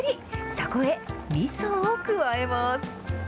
そこへみそを加えます。